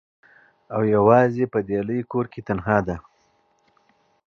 او یوازي په دې لوی کور کي تنهاده